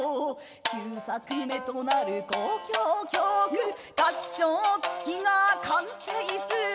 「九作目となる交響曲」「合唱付きが完成す」